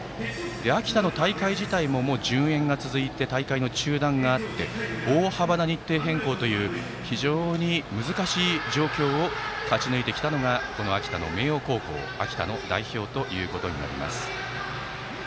秋田の大会自体も順延が続いて大会の中断があって大幅な日程変更という非常に難しい状況を勝ち抜いてきたのがこの秋田の明桜高校秋田の代表ということになります。